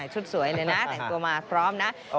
ชุดสวยเลยนะแต่งตัวมาพร้อมนะ